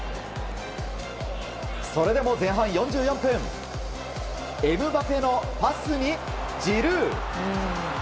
それでも前半４４分エムバペのパスに、ジルー。